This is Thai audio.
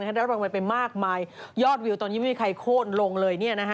ได้รางวัลไปมากมายยอดวิวตอนนี้ไม่มีใครโค้นลงเลย